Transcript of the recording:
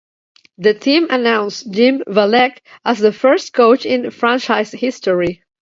The team announced Jim Valek as the first coach in franchise history.